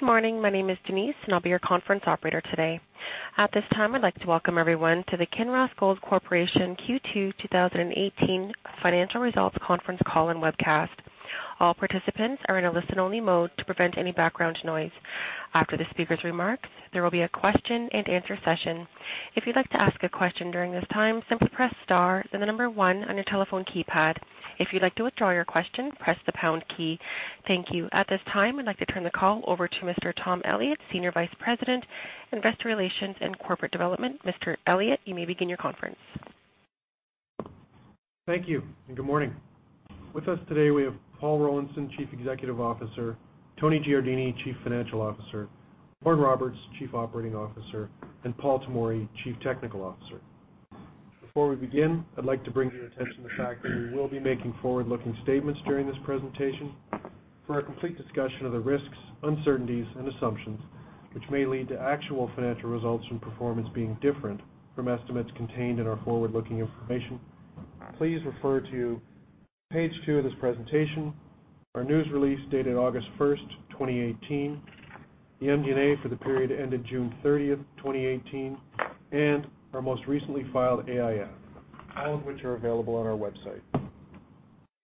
Good morning. My name is Denise, and I'll be your conference operator today. At this time, I'd like to welcome everyone to the Kinross Gold Corporation Q2 2018 Financial Results Conference Call and Webcast. All participants are in a listen-only mode to prevent any background noise. After the speaker's remarks, there will be a question and answer session. If you'd like to ask a question during this time, simply press star, then the number one on your telephone keypad. If you'd like to withdraw your question, press the pound key. Thank you. At this time, I'd like to turn the call over to Mr. Tom Elliott, Senior Vice President, Investor Relations and Corporate Development. Mr. Elliott, you may begin your conference. Thank you, and good morning. With us today, we have Paul Rollinson, Chief Executive Officer, Tony Giardini, Chief Financial Officer, Lauren Roberts, Chief Operating Officer, and Paul Tomory, Chief Technical Officer. Before we begin, I'd like to bring to your attention the fact that we will be making forward-looking statements during this presentation. For a complete discussion of the risks, uncertainties, and assumptions which may lead to actual financial results and performance being different from estimates contained in our forward-looking information, please refer to page two of this presentation, our news release dated August 1st, 2018, the MD&A for the period ended June 30th, 2018, and our most recently filed AIF, all of which are available on our website.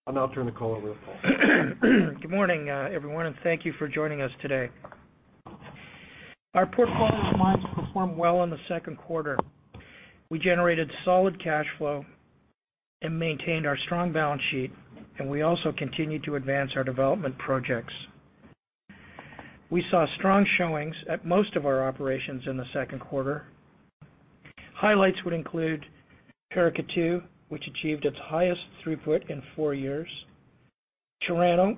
I'll now turn the call over to Paul. Good morning, everyone, and thank you for joining us today. Our portfolio of mines performed well in the second quarter. We generated solid cash flow and maintained our strong balance sheet, and we also continued to advance our development projects. We saw strong showings at most of our operations in the second quarter. Highlights would include Paracatu, which achieved its highest throughput in four years, Chirano,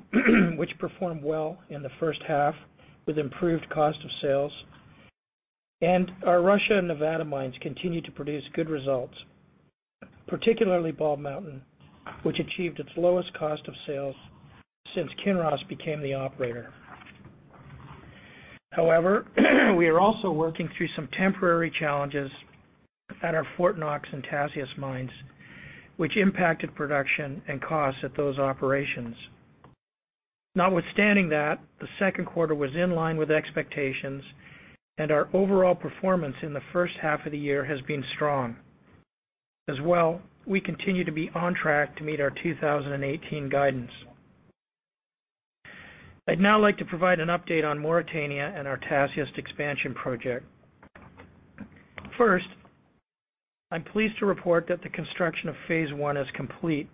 which performed well in the first half with improved cost of sales. Our Russia and Nevada mines continued to produce good results, particularly Bald Mountain, which achieved its lowest cost of sales since Kinross became the operator. However, we are also working through some temporary challenges at our Fort Knox and Tasiast mines, which impacted production and costs at those operations. Notwithstanding that, the second quarter was in line with expectations, and our overall performance in the first half of the year has been strong. As well, we continue to be on track to meet our 2018 guidance. I'd now like to provide an update on Mauritania and our Tasiast expansion project. First, I'm pleased to report that the construction of phase 1 is complete,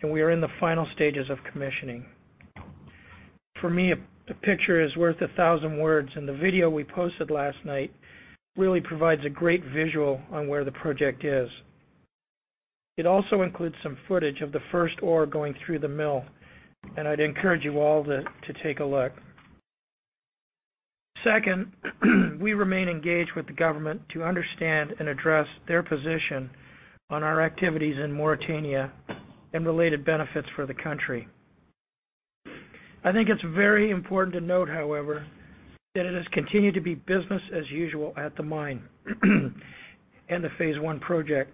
and we are in the final stages of commissioning. For me, a picture is worth a thousand words, and the video we posted last night really provides a great visual on where the project is. It also includes some footage of the first ore going through the mill, and I'd encourage you all to take a look. Second, we remain engaged with the government to understand and address their position on our activities in Mauritania and related benefits for the country. I think it's very important to note, however, that it has continued to be business as usual at the mine and the Phase 1 project.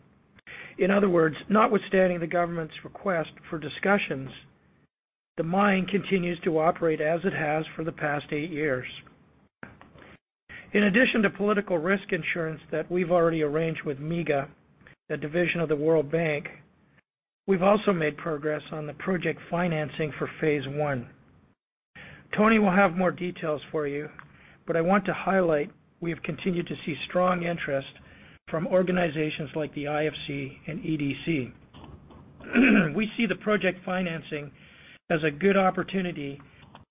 In other words, notwithstanding the government's request for discussions, the mine continues to operate as it has for the past eight years. In addition to political risk insurance that we've already arranged with MIGA, a division of the World Bank, we've also made progress on the project financing for Phase 1. Tony will have more details for you, but I want to highlight we have continued to see strong interest from organizations like the IFC and EDC. We see the project financing as a good opportunity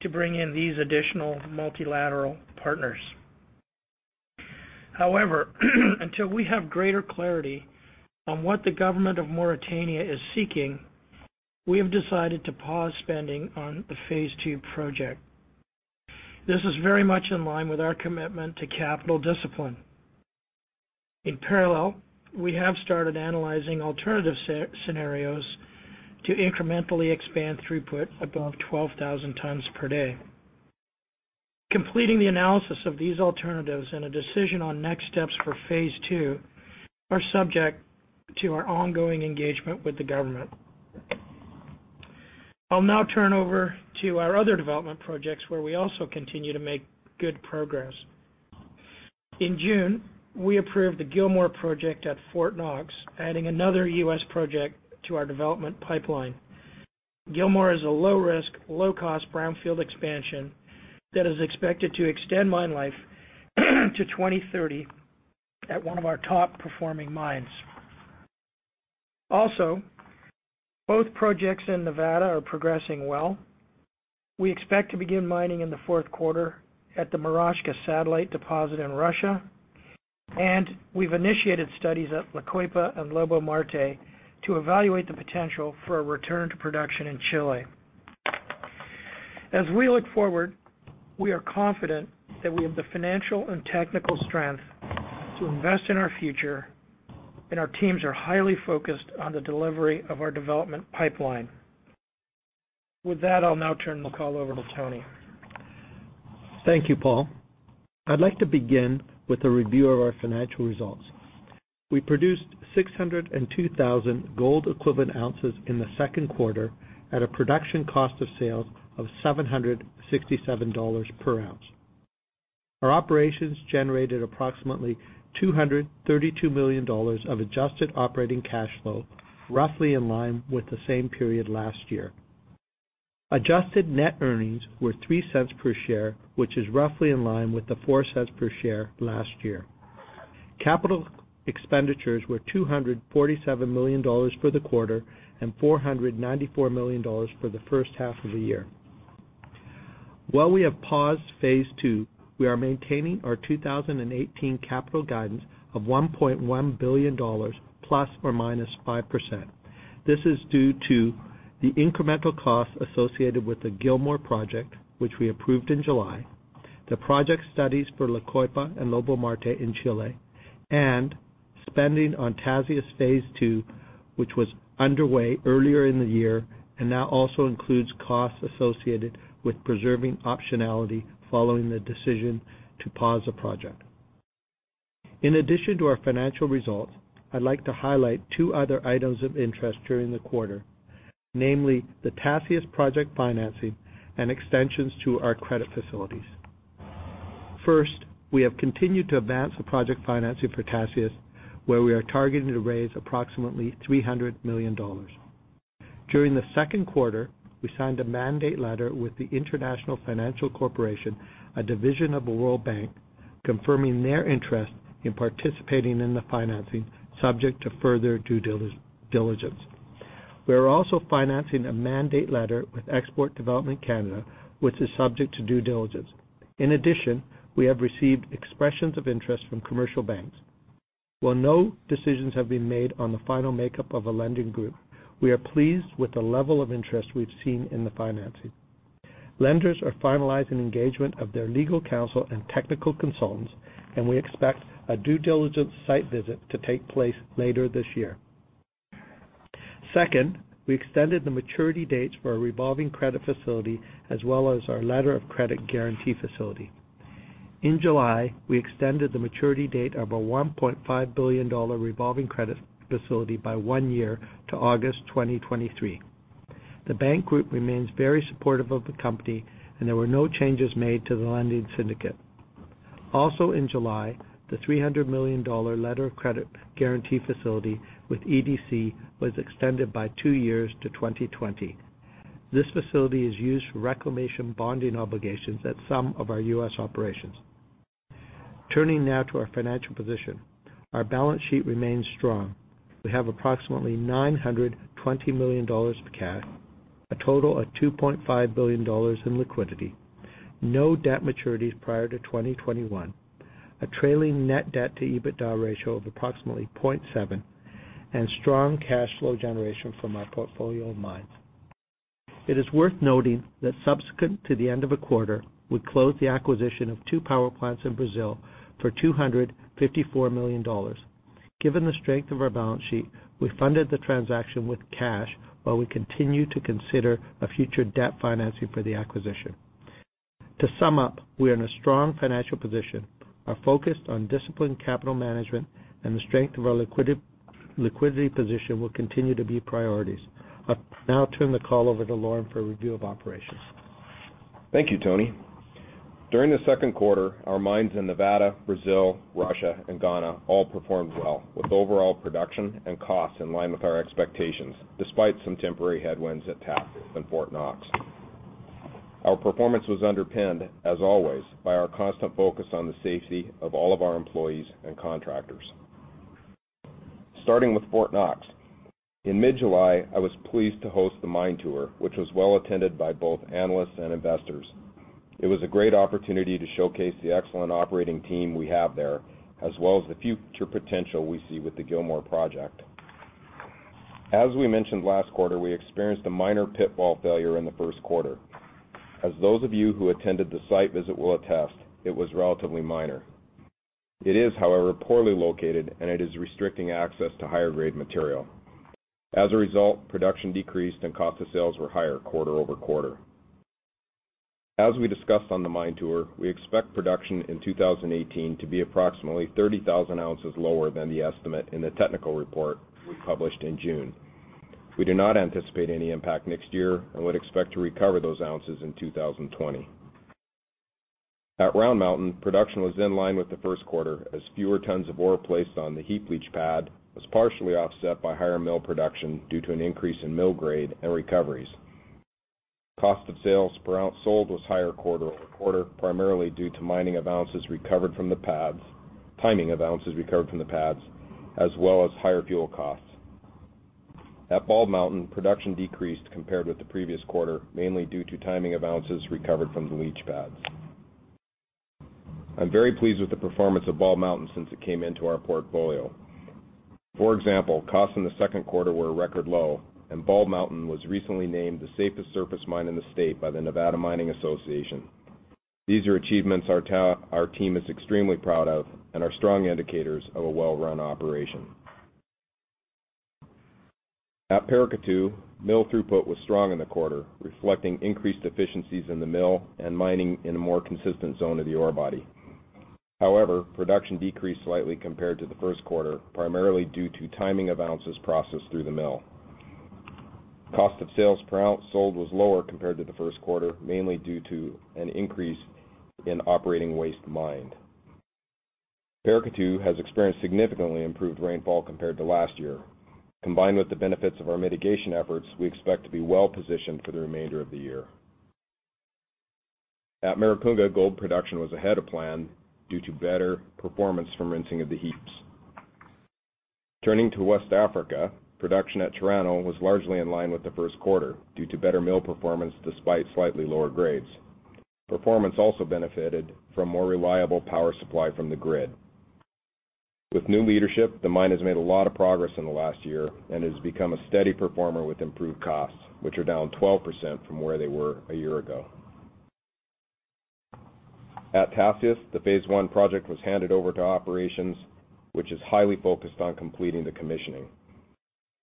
to bring in these additional multilateral partners. However, until we have greater clarity on what the government of Mauritania is seeking, we have decided to pause spending on the Phase 2 project. This is very much in line with our commitment to capital discipline. In parallel, we have started analyzing alternative scenarios to incrementally expand throughput above 12,000 tons per day. Completing the analysis of these alternatives and a decision on next steps for Phase 2 are subject to our ongoing engagement with the government. I'll now turn over to our other development projects, where we also continue to make good progress. In June, we approved the Gilmore project at Fort Knox, adding another U.S. project to our development pipeline. Gilmore is a low risk, low cost brownfield expansion that is expected to extend mine life to 2030 at one of our top performing mines. Also, both projects in Nevada are progressing well. We expect to begin mining in the fourth quarter at the Moroshka satellite deposit in Russia. We've initiated studies at La Coipa and Lobo Marte to evaluate the potential for a return to production in Chile. As we look forward, we are confident that we have the financial and technical strength to invest in our future, and our teams are highly focused on the delivery of our development pipeline. With that, I'll now turn the call over to Tony. Thank you, Paul. I'd like to begin with a review of our financial results. We produced 602,000 gold equivalent ounces in the second quarter at a production cost of sales of $767 per ounce. Our operations generated approximately $232 million of adjusted operating cash flow, roughly in line with the same period last year. Adjusted net earnings were $0.03 per share, which is roughly in line with the $0.04 per share last year. Capital expenditures were $247 million for the quarter and $494 million for the first half of the year. While we have paused Phase 2, we are maintaining our 2018 capital guidance of $1.1 billion, ±5%. This is due to the incremental costs associated with the Gil-Sourdough Project, which we approved in July, the project studies for La Coipa and Lobo Marte in Chile, and spending on Tasiast Phase 2, which was underway earlier in the year and now also includes costs associated with preserving optionality following the decision to pause the project. In addition to our financial results, I'd like to highlight two other items of interest during the quarter. Namely, the Tasiast project financing and extensions to our credit facilities. First, we have continued to advance the project financing for Tasiast, where we are targeting to raise approximately $300 million. During the second quarter, we signed a mandate letter with the International Finance Corporation, a division of the World Bank, confirming their interest in participating in the financing subject to further due diligence. We are also financing a mandate letter with Export Development Canada, which is subject to due diligence. In addition, we have received expressions of interest from commercial banks. While no decisions have been made on the final makeup of a lending group, we are pleased with the level of interest we've seen in the financing. Lenders are finalizing engagement of their legal counsel and technical consultants, and we expect a due diligence site visit to take place later this year. Second, we extended the maturity dates for our revolving credit facility as well as our letter of credit guarantee facility. In July, we extended the maturity date of our $1.5 billion revolving credit facility by one year to August 2023. The bank group remains very supportive of the company, and there were no changes made to the lending syndicate. Also in July, the $300 million letter of credit guarantee facility with EDC was extended by two years to 2020. This facility is used for reclamation bonding obligations at some of our U.S. operations. Turning now to our financial position. Our balance sheet remains strong. We have approximately $920 million of cash, a total of $2.5 billion in liquidity, no debt maturities prior to 2021, a trailing net debt to EBITDA ratio of approximately 0.7, and strong cash flow generation from our portfolio of mines. It is worth noting that subsequent to the end of a quarter, we closed the acquisition of two power plants in Brazil for $254 million. Given the strength of our balance sheet, we funded the transaction with cash while we continue to consider a future debt financing for the acquisition. To sum up, we are in a strong financial position, are focused on disciplined capital management, and the strength of our liquidity position will continue to be priorities. I'll now turn the call over to Lauren for a review of operations. Thank you, Tony. During the second quarter, our mines in Nevada, Brazil, Russia, and Ghana all performed well, with overall production and costs in line with our expectations, despite some temporary headwinds at Tasiast and Fort Knox. Our performance was underpinned, as always, by our constant focus on the safety of all of our employees and contractors. Starting with Fort Knox. In mid-July, I was pleased to host the mine tour, which was well attended by both analysts and investors. It was a great opportunity to showcase the excellent operating team we have there, as well as the future potential we see with the Gil-Sourdough Project. As we mentioned last quarter, we experienced a minor pit wall failure in the first quarter. As those of you who attended the site visit will attest, it was relatively minor. It is, however, poorly located, it is restricting access to higher grade material. As a result, production decreased and cost of sales were higher quarter-over-quarter. As we discussed on the mine tour, we expect production in 2018 to be approximately 30,000 ounces lower than the estimate in the technical report we published in June. We do not anticipate any impact next year and would expect to recover those ounces in 2020. At Round Mountain, production was in line with the first quarter as fewer tons of ore placed on the heap leach pad was partially offset by higher mill production due to an increase in mill grade and recoveries. Cost of sales sold was higher quarter-over-quarter, primarily due to timing of ounces recovered from the pads, as well as higher fuel costs. At Bald Mountain, production decreased compared with the previous quarter, mainly due to timing of ounces recovered from the leach pads. I'm very pleased with the performance of Bald Mountain since it came into our portfolio. For example, costs in the second quarter were a record low, and Bald Mountain was recently named the safest surface mine in the state by the Nevada Mining Association. These are achievements our team is extremely proud of and are strong indicators of a well-run operation. At Paracatu, mill throughput was strong in the quarter, reflecting increased efficiencies in the mill and mining in a more consistent zone of the ore body. However, production decreased slightly compared to the first quarter, primarily due to timing of ounces processed through the mill. Cost of sales per ounce sold was lower compared to the first quarter, mainly due to an increase in operating waste mined. Paracatu has experienced significantly improved rainfall compared to last year. Combined with the benefits of our mitigation efforts, we expect to be well-positioned for the remainder of the year. At Maricunga, gold production was ahead of plan due to better performance from rinsing of the heaps. Turning to West Africa, production at Chirano was largely in line with the first quarter due to better mill performance despite slightly lower grades. Performance also benefited from more reliable power supply from the grid. With new leadership, the mine has made a lot of progress in the last year and has become a steady performer with improved costs, which are down 12% from where they were a year ago. At Tasiast, the phase one project was handed over to operations, which is highly focused on completing the commissioning.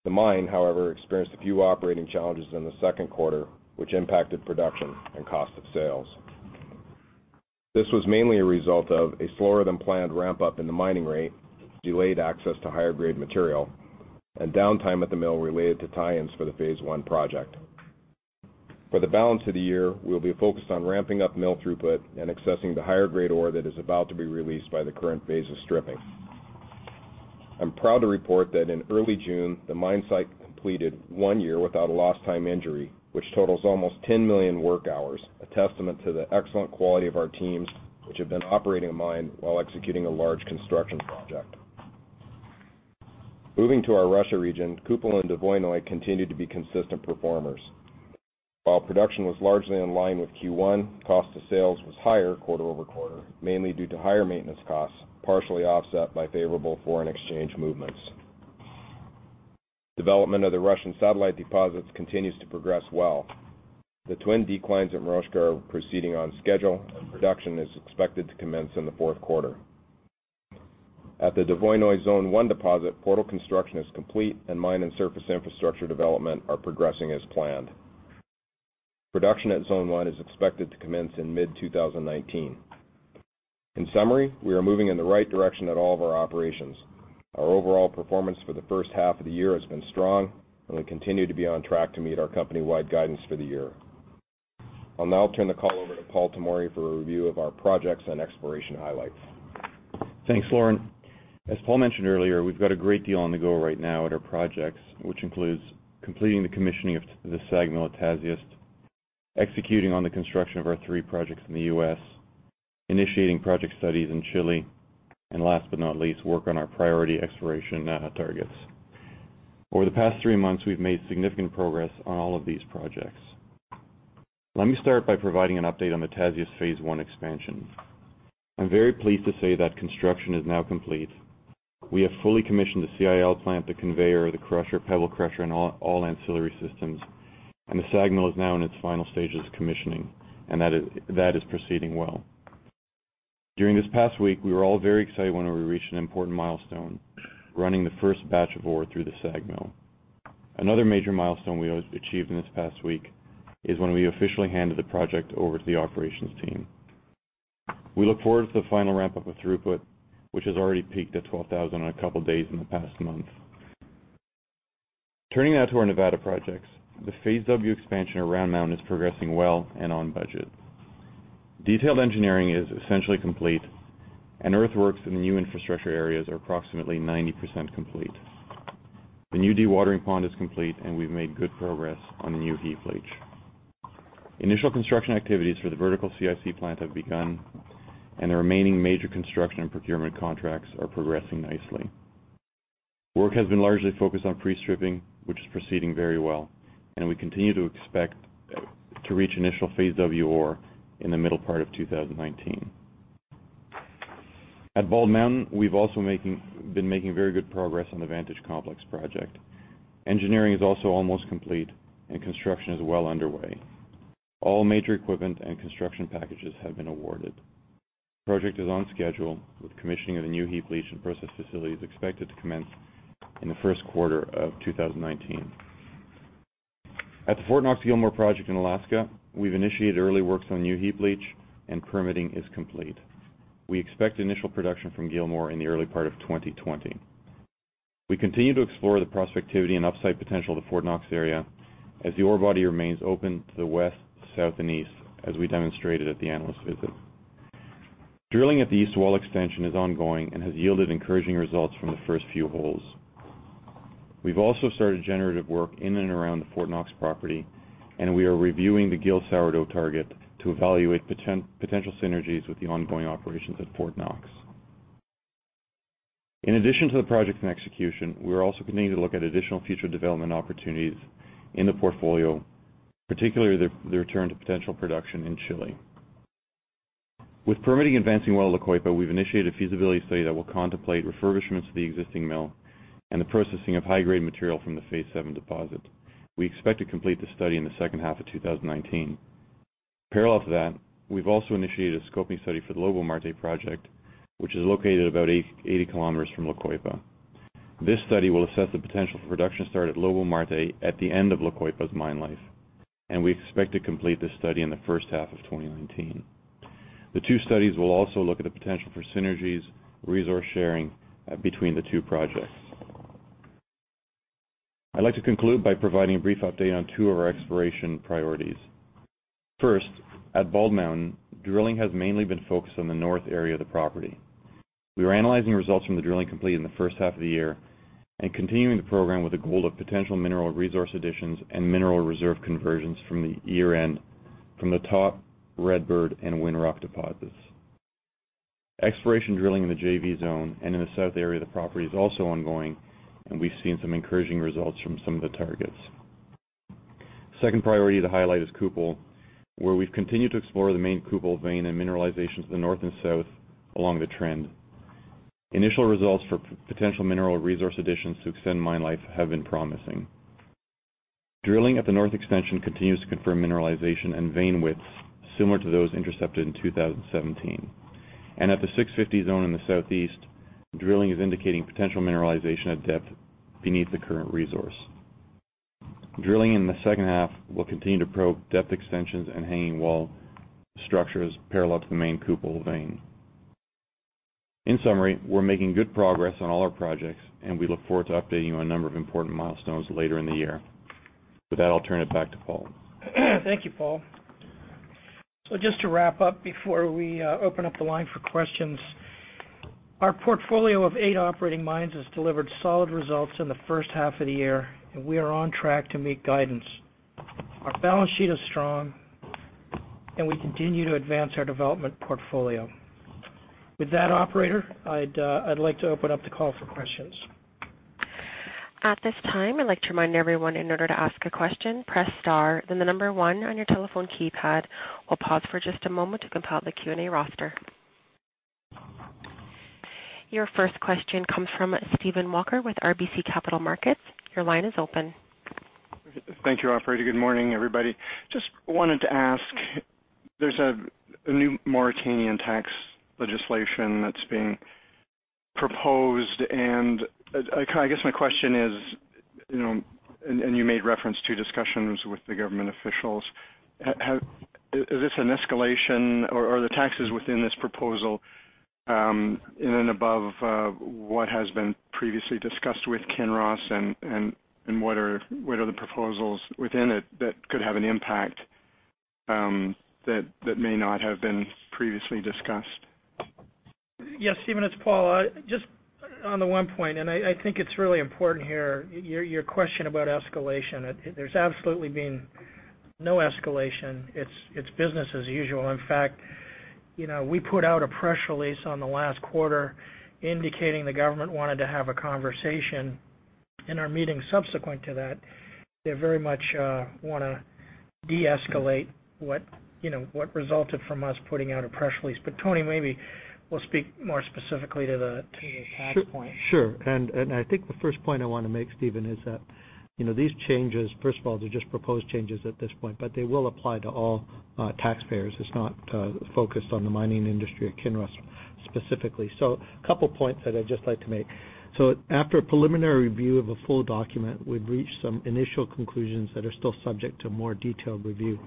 The mine, however, experienced a few operating challenges in the second quarter, which impacted production and cost of sales. This was mainly a result of a slower-than-planned ramp-up in the mining rate, delayed access to higher-grade material, and downtime at the mill related to tie-ins for the phase one project. For the balance of the year, we'll be focused on ramping up mill throughput and accessing the higher-grade ore that is about to be released by the current phase of stripping. I'm proud to report that in early June, the mine site completed one year without a lost time injury, which totals almost 10 million work hours, a testament to the excellent quality of our teams, which have been operating a mine while executing a large construction project. Moving to our Russia region, Kupol and Dvoinoye continued to be consistent performers. While production was largely in line with Q1, cost of sales was higher quarter-over-quarter, mainly due to higher maintenance costs, partially offset by favorable foreign exchange movements. Development of the Russian satellite deposits continues to progress well. The twin declines at Moroshka are proceeding on schedule, and production is expected to commence in the fourth quarter. At the Dvoinoye Zone 1 deposit, portal construction is complete and mine and surface infrastructure development are progressing as planned. Production at Zone 1 is expected to commence in mid-2019. In summary, we are moving in the right direction at all of our operations. Our overall performance for the first half of the year has been strong, and we continue to be on track to meet our company-wide guidance for the year. I'll now turn the call over to Paul Tomory for a review of our projects and exploration highlights. Thanks, Lauren. As Paul mentioned earlier, we've got a great deal on the go right now at our projects, which includes completing the commissioning of the SAG mill at Tasiast, executing on the construction of our three projects in the U.S., initiating project studies in Chile, last but not least, work on our priority exploration targets. Over the past three months, we've made significant progress on all of these projects. Let me start by providing an update on the Tasiast phase one expansion. I'm very pleased to say that construction is now complete. We have fully commissioned the CIL plant, the conveyor, the crusher, pebble crusher, and all ancillary systems. The SAG mill is now in its final stages of commissioning, and that is proceeding well. During this past week, we were all very excited when we reached an important milestone, running the first batch of ore through the SAG mill. Another major milestone we achieved in this past week is when we officially handed the project over to the operations team. We look forward to the final ramp-up of throughput, which has already peaked at 12,000 on a couple days in the past month. Turning now to our Nevada projects, the Phase W expansion at Round Mountain is progressing well and on budget. Detailed engineering is essentially complete, and earthworks in the new infrastructure areas are approximately 90% complete. The new dewatering pond is complete, and we've made good progress on the new heap leach. Initial construction activities for the vertical CIC plant have begun, and the remaining major construction and procurement contracts are progressing nicely. Work has been largely focused on pre-stripping, which is proceeding very well, and we continue to expect to reach initial Phase W ore in the middle part of 2019. At Bald Mountain, we've also been making very good progress on the Vantage Complex project. Engineering is also almost complete and construction is well underway. All major equipment and construction packages have been awarded. The project is on schedule, with commissioning of the new heap leach and process facilities expected to commence in the first quarter of 2019. At the Fort Knox-Gilmore project in Alaska, we've initiated early works on the new heap leach and permitting is complete. We expect initial production from Gilmore in the early part of 2020. We continue to explore the prospectivity and upside potential of the Fort Knox area as the ore body remains open to the west, south, and east, as we demonstrated at the analyst visit. Drilling at the East Wall extension is ongoing and has yielded encouraging results from the first few holes. We've also started generative work in and around the Fort Knox property, and we are reviewing the Gil-Sourdough target to evaluate potential synergies with the ongoing operations at Fort Knox. In addition to the projects in execution, we are also continuing to look at additional future development opportunities in the portfolio, particularly the return to potential production in Chile. With permitting advancing well at La Coipa, we've initiated a feasibility study that will contemplate refurbishments to the existing mill and the processing of high-grade material from the Phase 7 deposit. We expect to complete the study in the second half of 2019. Parallel to that, we've also initiated a scoping study for the Lobo Marte project, which is located about 80 kilometers from La Coipa. This study will assess the potential for production start at Lobo Marte at the end of La Coipa's mine life, and we expect to complete this study in the first half of 2019. The two studies will also look at the potential for synergies, resource sharing between the two projects. I'd like to conclude by providing a brief update on two of our exploration priorities. First, at Bald Mountain, drilling has mainly been focused on the north area of the property. We are analyzing results from the drilling completed in the first half of the year and continuing the program with a goal of potential mineral resource additions and mineral reserve conversions from the year-end from the Top, Redbird, and Winrock deposits. Exploration drilling in the JV Zone and in the south area of the property is also ongoing, and we've seen some encouraging results from some of the targets. Second priority to highlight is Kupol, where we've continued to explore the main Kupol vein and mineralizations to the north and south along the trend. Initial results for potential mineral resource additions to extend mine life have been promising. Drilling at the north extension continues to confirm mineralization and vein widths similar to those intercepted in 2017. At the 650 zone in the southeast, drilling is indicating potential mineralization at depth beneath the current resource. Drilling in the second half will continue to probe depth extensions and hanging wall structures parallel to the main Kupol vein. In summary, we're making good progress on all our projects. We look forward to updating you on a number of important milestones later in the year. With that, I'll turn it back to Paul. Thank you, Paul. Just to wrap up before we open up the line for questions. Our portfolio of eight operating mines has delivered solid results in the first half of the year. We are on track to meet guidance. Our balance sheet is strong. We continue to advance our development portfolio. With that, operator, I'd like to open up the call for questions. At this time, I'd like to remind everyone, in order to ask a question, press star then the number one on your telephone keypad. We'll pause for just a moment to compile the Q&A roster. Your first question comes from Stephen Walker with RBC Capital Markets. Your line is open. Thank you, operator. Good morning, everybody. Just wanted to ask, there's a new Mauritanian tax legislation that's being proposed, and I guess my question is, and you made reference to discussions with the government officials, is this an escalation, or are the taxes within this proposal in and above what has been previously discussed with Kinross? What are the proposals within it that could have an impact that may not have been previously discussed? Yes, Stephen, it's Paul. On the one point, and I think it's really important here, your question about escalation. There's absolutely been no escalation. It's business as usual. In fact, we put out a press release on the last quarter indicating the government wanted to have a conversation. In our meeting subsequent to that, they very much want to deescalate what resulted from us putting out a press release. Tony, maybe will speak more specifically to the tax point. Sure. I think the first point I want to make, Stephen, is that these changes, first of all, they're just proposed changes at this point, but they will apply to all taxpayers. It's not focused on the mining industry or Kinross specifically. A couple points that I'd just like to make. After a preliminary review of a full document, we've reached some initial conclusions that are still subject to more detailed review.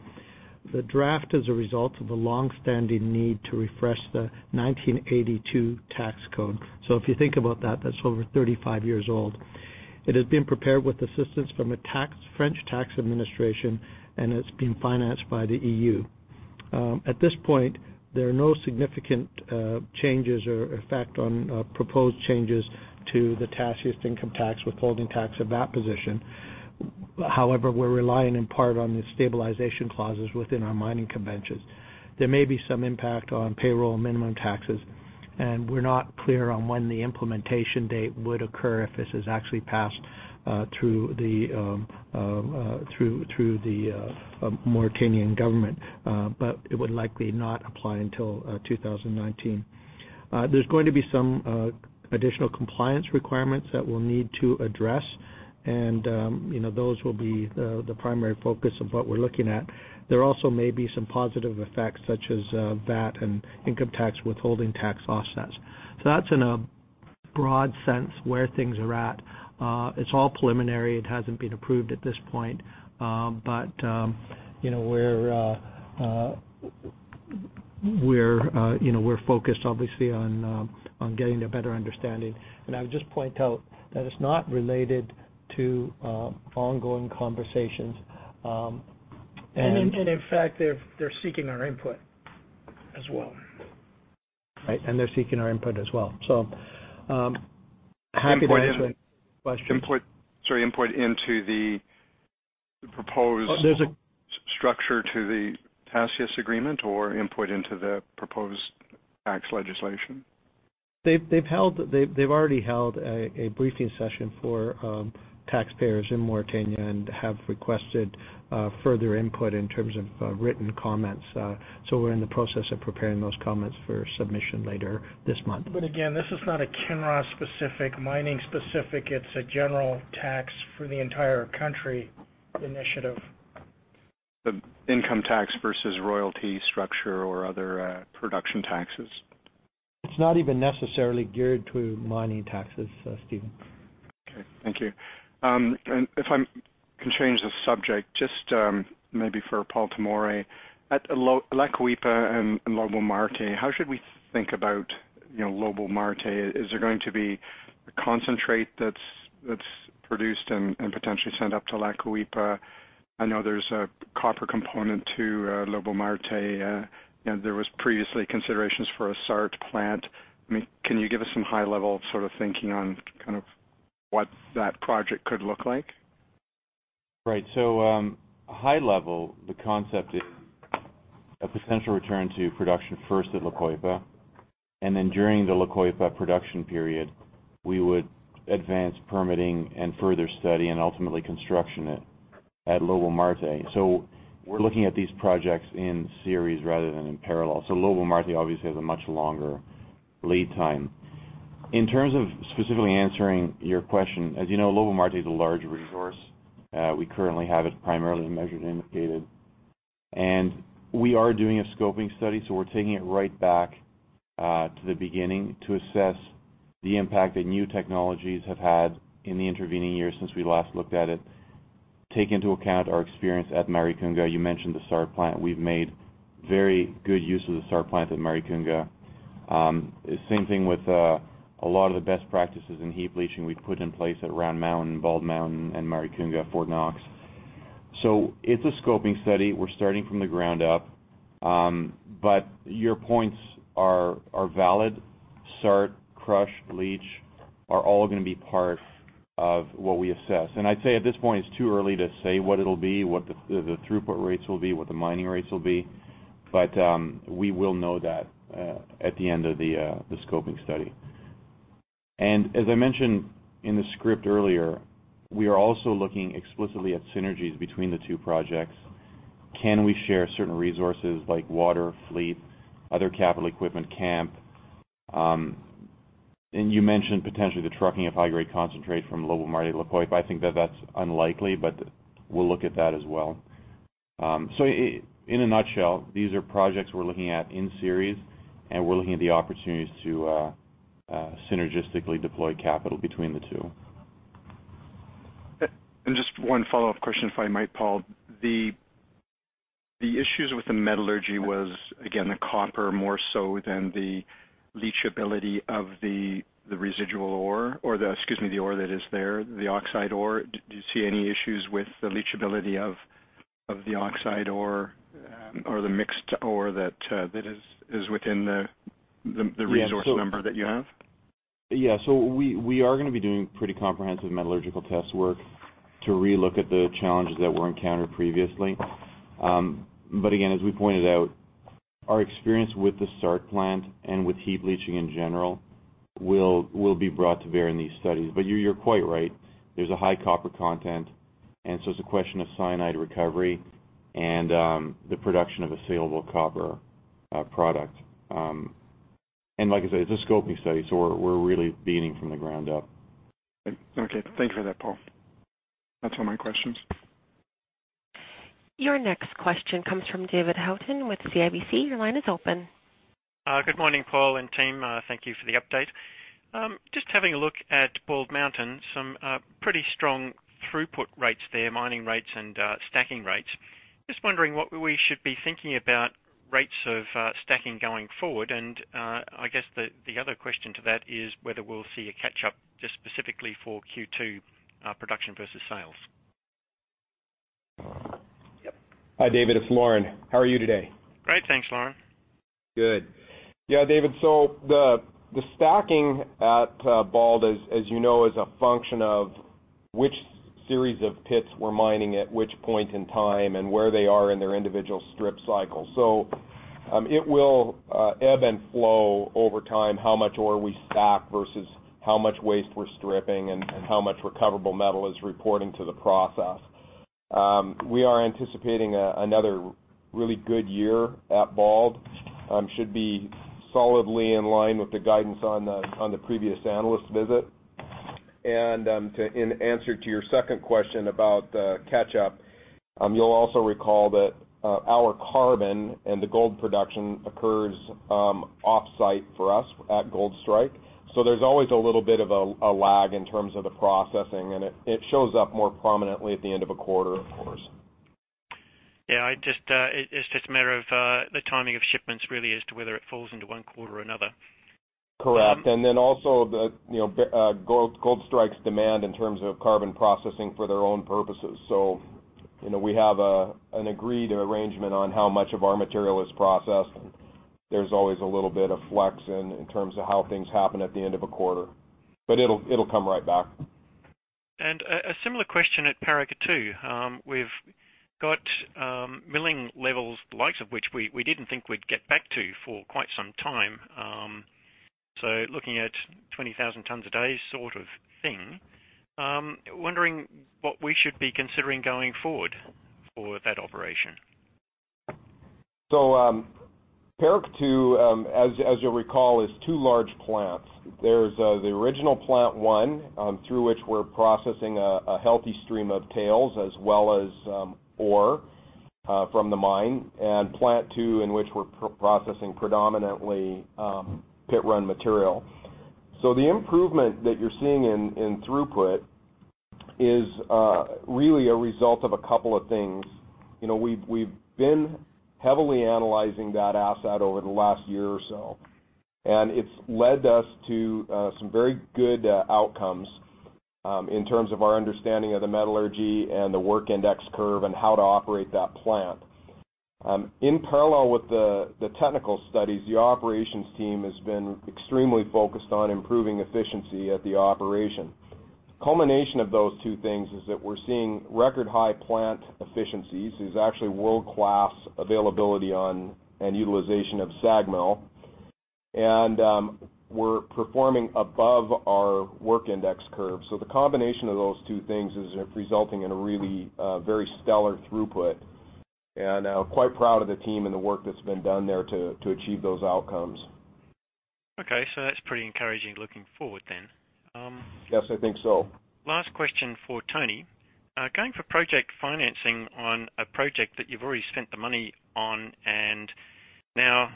The draft is a result of the longstanding need to refresh the 1982 tax code. If you think about that's over 35 years old. It has been prepared with assistance from a French tax administration, and it's being financed by the EU. At this point, there are no significant changes or effect on proposed changes to the Tasiast income tax withholding tax of that position. We're relying in part on the stabilization clauses within our mining conventions. There may be some impact on payroll minimum taxes, and we're not clear on when the implementation date would occur if this is actually passed through the Mauritanian government. It would likely not apply until 2019. There's going to be some additional compliance requirements that we'll need to address, and those will be the primary focus of what we're looking at. There also may be some positive effects such as VAT and income tax withholding tax offsets. That's in a broad sense where things are at. It's all preliminary. It hasn't been approved at this point. We're focused obviously on getting a better understanding. I would just point out that it's not related to ongoing conversations and- In fact, they're seeking our input as well. Right. They're seeking our input as well. Happy to answer any questions. Sorry, input into the proposed- There's a- structure to the Tasiast agreement or input into the proposed tax legislation? They've already held a briefing session for taxpayers in Mauritania and have requested further input in terms of written comments. We're in the process of preparing those comments for submission later this month. Again, this is not a Kinross specific, mining specific, it's a general tax for the entire country initiative. The income tax versus royalty structure or other production taxes. It's not even necessarily geared to mining taxes, Stephen. Okay. Thank you. If I can change the subject just maybe for Paul Tomory. At La Coipa and Lobo Marte, how should we think about Lobo Marte? Is there going to be a concentrate that's produced and potentially sent up to La Coipa? I know there's a copper component to Lobo Marte, there was previously considerations for a SART plant. Can you give us some high-level thinking on what that project could look like? Right. High level, the concept is a potential return to production first at La Coipa, and then during the La Coipa production period, we would advance permitting and further study and ultimately construction it at Lobo Marte. We're looking at these projects in series rather than in parallel. Lobo Marte obviously has a much longer lead time. In terms of specifically answering your question, as you know, Lobo Marte is a large resource. We currently have it primarily measured and indicated. We are doing a scoping study, so we're taking it right back to the beginning to assess the impact that new technologies have had in the intervening years since we last looked at it, take into account our experience at Maricunga. You mentioned the SART plant. We've made very good use of the SART plant at Maricunga. Same thing with a lot of the best practices in heap leaching we put in place at Round Mountain, Bald Mountain and Maricunga, Fort Knox. It's a scoping study. We're starting from the ground up. Your points are valid. SART, crush, leach are all going to be part of what we assess. I'd say at this point, it's too early to say what it'll be, what the throughput rates will be, what the mining rates will be. We will know that at the end of the scoping study. As I mentioned in the script earlier, we are also looking explicitly at synergies between the two projects. Can we share certain resources like water, fleet, other capital equipment, camp? You mentioned potentially the trucking of high-grade concentrate from Lobo Marte, La Coipa. I think that that's unlikely, but we'll look at that as well. In a nutshell, these are projects we're looking at in series, and we're looking at the opportunities to synergistically deploy capital between the two. Just one follow-up question, if I might, Paul. The issues with the metallurgy was, again, the copper more so than the leachability of the residual ore or the, excuse me, the ore that is there, the oxide ore. Do you see any issues with the leachability of the oxide ore or the mixed ore that is within the resource number that you have? Yeah. We are going to be doing pretty comprehensive metallurgical test work to relook at the challenges that were encountered previously. Again, as we pointed out, our experience with the SART plant and with heap leaching in general will be brought to bear in these studies. You're quite right. There's a high copper content, and so it's a question of cyanide recovery and the production of a saleable copper product. Like I said, it's a scoping study, so we're really beginning from the ground up. Okay. Thank you for that, Paul. That's all my questions. Your next question comes from David Haughton with CIBC. Your line is open. Good morning, Paul and team. Thank you for the update. Just having a look at Bald Mountain, some pretty strong throughput rates there, mining rates and stacking rates. Just wondering what we should be thinking about rates of stacking going forward, and I guess the other question to that is whether we'll see a catch-up just specifically for Q2 production versus sales. Hi, David, it's Lauren. How are you today? Great, thanks, Lauren. Good. Yeah, David, the stacking at Bald, as you know, is a function of which series of pits we're mining at which point in time and where they are in their individual strip cycle. It will ebb and flow over time, how much ore we stack versus how much waste we're stripping and how much recoverable metal is reporting to the process. We are anticipating another really good year at Bald. Should be solidly in line with the guidance on the previous analyst visit. To answer your second question about catch up, you'll also recall that our carbon and the gold production occurs off-site for us at Gold Strike. There's always a little bit of a lag in terms of the processing, and it shows up more prominently at the end of a quarter, of course. Yeah, it's just a matter of the timing of shipments really as to whether it falls into one quarter or another. Correct. Also Gold Strike's demand in terms of carbon processing for their own purposes. We have an agreed arrangement on how much of our material is processed, and there's always a little bit of flex in terms of how things happen at the end of a quarter. It'll come right back. A similar question at Paracatu. We've got milling levels, the likes of which we didn't think we'd get back to for quite some time. Looking at 20,000 tons a day sort of thing, wondering what we should be considering going forward for that operation. Paracatu, as you'll recall, is two large plants. There's the original plant one, through which we're processing a healthy stream of tails as well as ore from the mine, and plant two, in which we're processing predominantly pit run material. The improvement that you're seeing in throughput is really a result of a couple of things. We've been heavily analyzing that asset over the last year or so, and it's led us to some very good outcomes in terms of our understanding of the metallurgy and the work index curve and how to operate that plant. In parallel with the technical studies, the operations team has been extremely focused on improving efficiency at the operation. The culmination of those two things is that we're seeing record high plant efficiencies, is actually world-class availability on and utilization of SAG mill. We're performing above our work index curve. The combination of those two things is resulting in a really very stellar throughput. I'm quite proud of the team and the work that's been done there to achieve those outcomes. Okay. That's pretty encouraging looking forward then. Yes, I think so. Last question for Tony. Going for project financing on a project that you've already spent the money on and now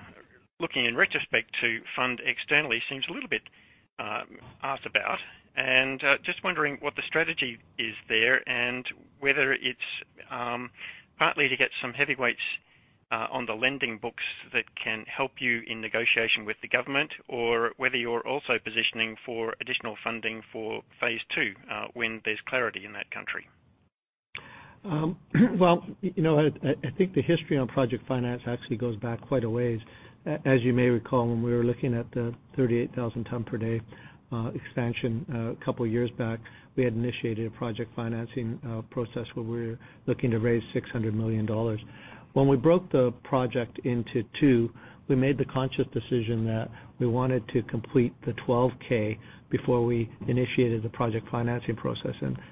looking in retrospect to fund externally seems a little bit asked about. Just wondering what the strategy is there and whether it's partly to get some heavyweights on the lending books that can help you in negotiation with the government or whether you're also positioning for additional funding for phase 2, when there's clarity in that country. Well, I think the history on project finance actually goes back quite a ways. As you may recall, when we were looking at the 38,000 ton per day expansion a couple of years back, we had initiated a project financing process where we were looking to raise $600 million. When we broke the project into two, we made the conscious decision that we wanted to complete the 12K before we initiated the project financing process,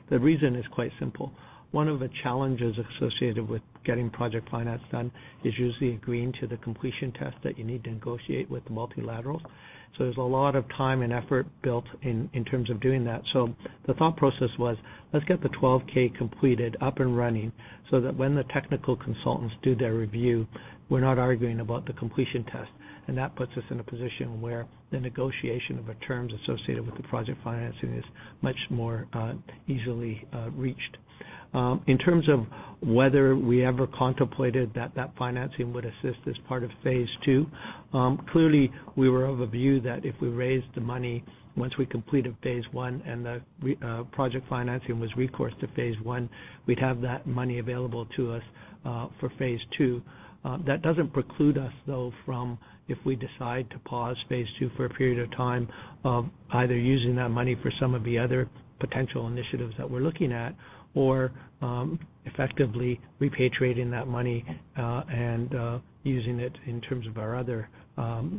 the reason is quite simple. One of the challenges associated with getting project finance done is usually agreeing to the completion test that you need to negotiate with the multilaterals. There's a lot of time and effort built in terms of doing that. The thought process was, let's get the 12K completed, up and running, so that when the technical consultants do their review, we're not arguing about the completion test. That puts us in a position where the negotiation of the terms associated with the project financing is much more easily reached. In terms of whether we ever contemplated that that financing would assist as part of phase 2, clearly we were of a view that if we raised the money, once we completed phase 1 and the project financing was recourse to phase 1, we'd have that money available to us for phase 2. That doesn't preclude us, though, from if we decide to pause phase 2 for a period of time, either using that money for some of the other potential initiatives that we're looking at or effectively repatriating that money, and using it in terms of our other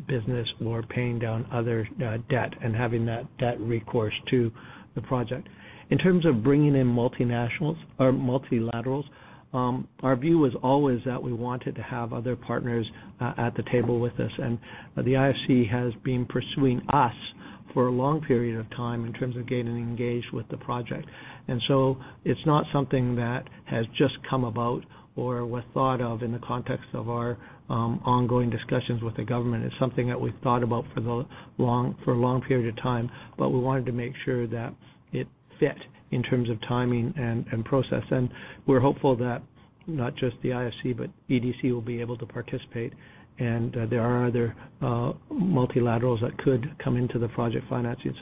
business or paying down other debt and having that recourse to the project. In terms of bringing in multinationals or multilaterals, our view was always that we wanted to have other partners at the table with us. The IFC has been pursuing us for a long period of time in terms of getting engaged with the project. It's not something that has just come about or was thought of in the context of our ongoing discussions with the government. It's something that we've thought about for a long period of time, we wanted to make sure that it fit in terms of timing and process. We're hopeful that not just the IFC, but EDC will be able to participate. There are other multilaterals that could come into the project financing.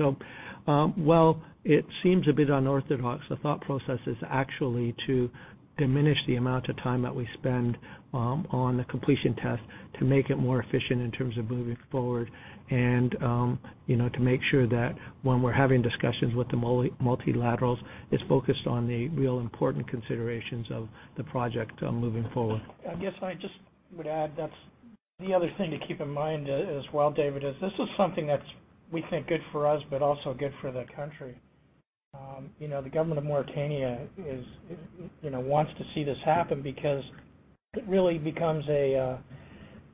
While it seems a bit unorthodox, the thought process is actually to diminish the amount of time that we spend on the completion test to make it more efficient in terms of moving forward and to make sure that when we're having discussions with the multilaterals, it's focused on the real important considerations of the project moving forward. I guess I just would add that the other thing to keep in mind as well, David, is this is something that's we think good for us but also good for the country. The government of Mauritania wants to see this happen because it really becomes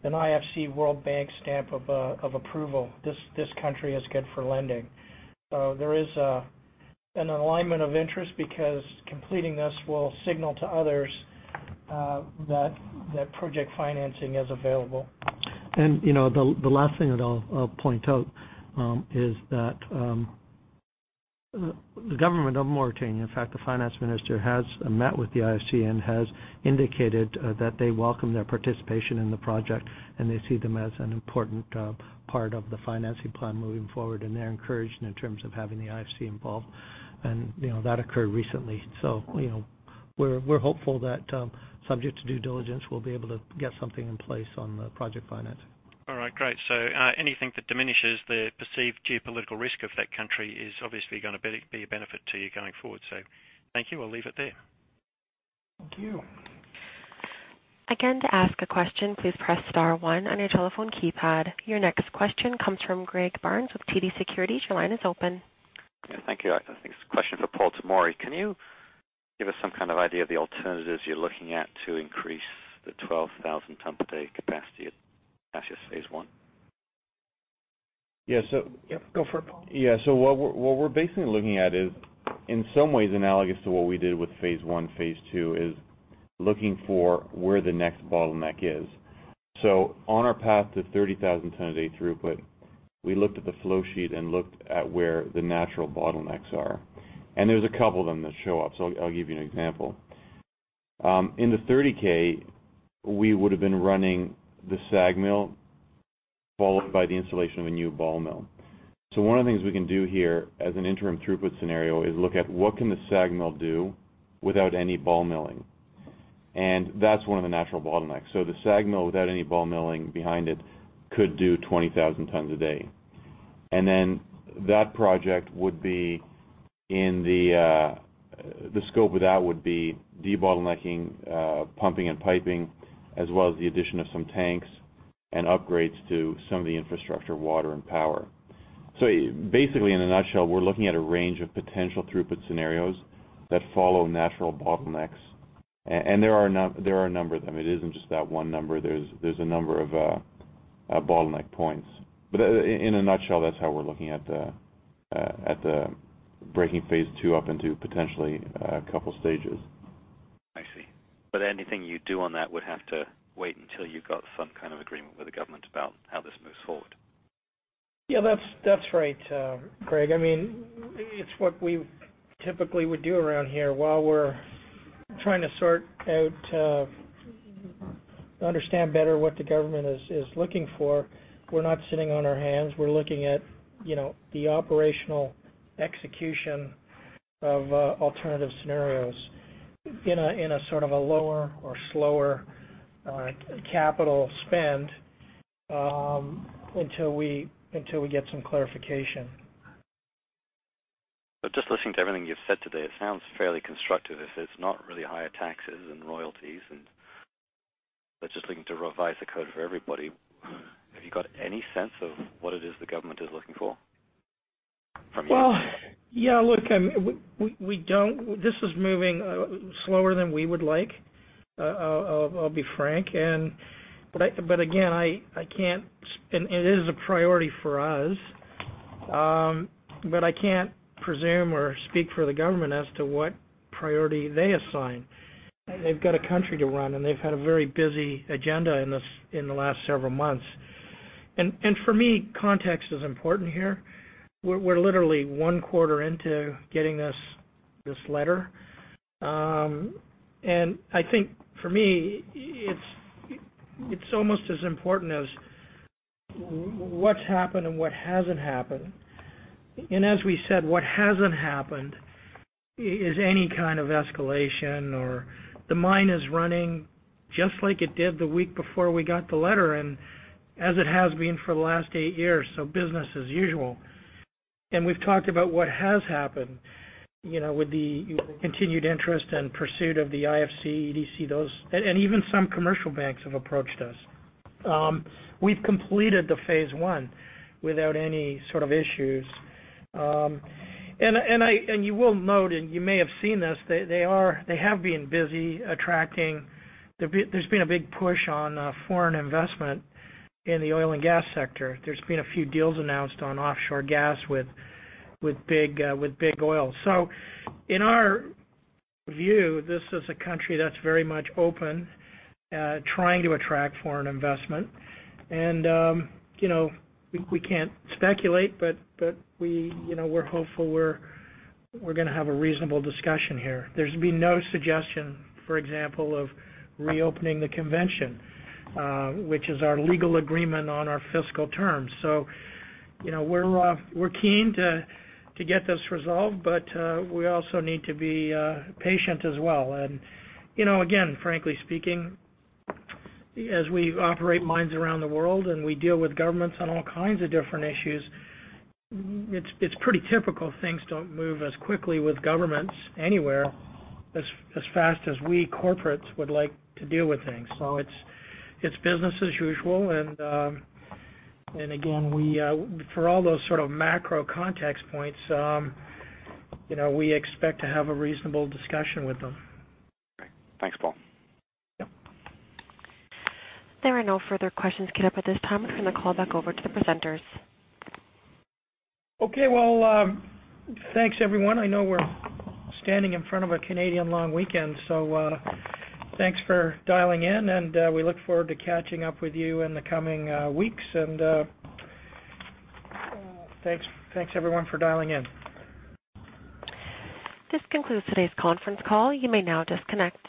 an IFC World Bank stamp of approval. This country is good for lending. There is an alignment of interest because completing this will signal to others that project financing is available. The last thing that I'll point out is that the government of Mauritania, in fact, the finance minister, has met with the IFC and has indicated that they welcome their participation in the project, and they see them as an important part of the financing plan moving forward. They're encouraged in terms of having the IFC involved. That occurred recently. We're hopeful that subject to due diligence, we'll be able to get something in place on the project finance. All right, great. Anything that diminishes the perceived geopolitical risk of that country is obviously going to be a benefit to you going forward. Thank you. We'll leave it there. Thank you. Again, to ask a question, please press star one on your telephone keypad. Your next question comes from Greg Barnes with TD Securities. Your line is open. Thank you. I think this is a question for Paul Tomory. Give us some kind of idea of the alternatives you're looking at to increase the 12,000 tonne per day capacity at Tasiast phase I. Yeah. Yeah. Go for it, Paul. What we're basically looking at is, in some ways, analogous to what we did with phase one, phase two, is looking for where the next bottleneck is. On our path to 30,000 tonnes a day throughput, we looked at the flow sheet and looked at where the natural bottlenecks are. There's a couple of them that show up, so I'll give you an example. In the 30K, we would've been running the SAG mill, followed by the installation of a new ball mill. One of the things we can do here as an interim throughput scenario is look at what can the SAG mill do without any ball milling? And that's one of the natural bottlenecks. The SAG mill without any ball milling behind it could do 20,000 tonnes a day. That project, the scope of that would be debottlenecking, pumping and piping, as well as the addition of some tanks and upgrades to some of the infrastructure, water and power. Basically, in a nutshell, we're looking at a range of potential throughput scenarios that follow natural bottlenecks, and there are a number of them. It isn't just that one number, there's a number of bottleneck points. In a nutshell, that's how we're looking at breaking phase two up into potentially a couple stages. I see. Anything you do on that would have to wait until you got some kind of agreement with the government about how this moves forward. That's right, Greg. It's what we typically would do around here while we're trying to sort out, understand better what the government is looking for. We're not sitting on our hands. We're looking at the operational execution of alternative scenarios in a sort of a lower or slower capital spend, until we get some clarification. Just listening to everything you've said today, it sounds fairly constructive if it's not really higher taxes and royalties and they're just looking to revise the code for everybody. Have you got any sense of what it is the government is looking for from you? Look, this is moving slower than we would like, I'll be frank. It is a priority for us, but I can't presume or speak for the government as to what priority they assign. They've got a country to run, and they've had a very busy agenda in the last several months. For me, context is important here. We're literally one quarter into getting this letter. I think for me, it's almost as important as what's happened and what hasn't happened. As we said, what hasn't happened is any kind of escalation. The mine is running just like it did the week before we got the letter and as it has been for the last eight years, so business as usual. We've talked about what has happened, with the continued interest and pursuit of the IFC, EDC, and even some commercial banks have approached us. We've completed the phase one without any sort of issues. You will note, and you may have seen this, they have been busy attracting. There's been a big push on foreign investment in the oil and gas sector. There's been a few deals announced on offshore gas with big oil. In our view, this is a country that's very much open, trying to attract foreign investment. We can't speculate, but we're hopeful we're going to have a reasonable discussion here. There's been no suggestion, for example, of reopening the convention, which is our legal agreement on our fiscal terms. We're keen to get this resolved, but we also need to be patient as well. Again, frankly speaking, as we operate mines around the world and we deal with governments on all kinds of different issues, it's pretty typical things don't move as quickly with governments anywhere, as fast as we corporates would like to deal with things. It's business as usual and, again, for all those sort of macro context points, we expect to have a reasonable discussion with them. Okay. Thanks, Paul. Yep. There are no further questions queued up at this time. I'll turn the call back over to the presenters. Okay, well, thanks everyone. I know we're standing in front of a Canadian long weekend, so thanks for dialing in and we look forward to catching up with you in the coming weeks. Thanks everyone for dialing in. This concludes today's conference call. You may now disconnect.